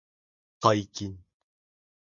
解禁